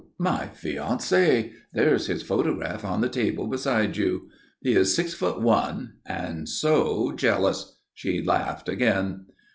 "My fiancé! There's his photograph on the table beside you. He is six foot one, and so jealous!" she laughed again.